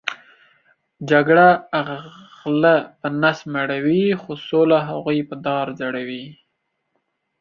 جګړه غلۀ په نس مړؤی خو سوله هغوې په دار ځړؤی